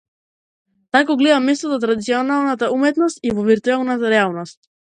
Таа го гледа место за традиционалната уметност и во виртуелната реалност.